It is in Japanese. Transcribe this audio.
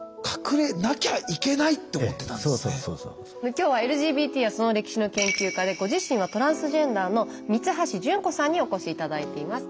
今日はＬＧＢＴやその歴史の研究家でご自身はトランスジェンダーの三橋順子さんにお越し頂いています。